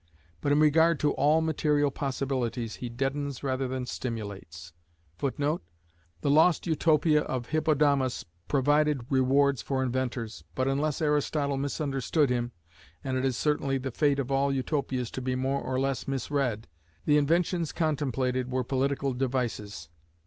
But in regard to all material possibilities he deadens rather than stimulates. [Footnote: The lost Utopia of Hippodamus provided rewards for inventors, but unless Aristotle misunderstood him, and it is certainly the fate of all Utopias to be more or less misread, the inventions contemplated were political devices.